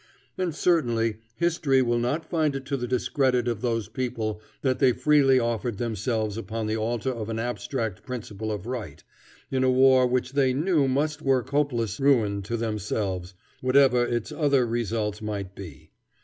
And certainly history will not find it to the discredit of those people that they freely offered themselves upon the altar of an abstract principle of right, in a war which they knew must work hopeless ruin to themselves, whatever its other results might be.